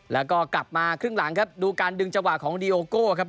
แล้วก็กลับมาครึ่งหลังครับดูการดึงจังหวะของดีโอโก้ครับ